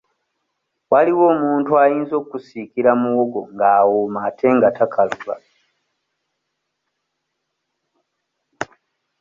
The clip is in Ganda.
Waliwo omuntu ayinza okkusiikira muwogo ng'awooma ate nga takaluba.